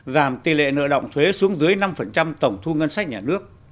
giảm tỷ lệ nợ động thuế xuống dưới năm tổng thu ngân sách nhà nước